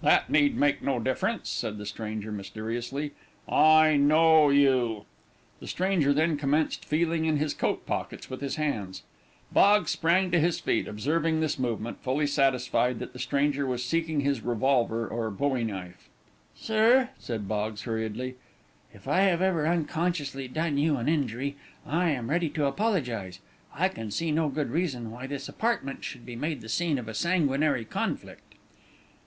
"That need make no difference," said the stranger, mysteriously. "I know you." The stranger then commenced feeling in his coat pockets with his hands. Boggs sprang to his feet, observing this movement, fully satisfied that the stranger was seeking his revolver or bowie knife. "Sir," said Boggs, hurriedly, "if I have ever unconsciously done you an injury, I am ready to apologize. I can see no good reason why this apartment should be made the scene of a sanguinary conflict."